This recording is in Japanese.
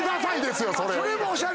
あ！それおしゃれ。